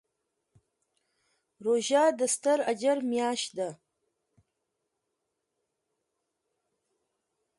روژه د ستر اجر میاشت ده.